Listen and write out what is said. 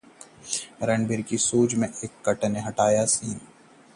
रणबीर की संजू में एक कट, विवाद के बाद निर्माताओं ने हटाया सीन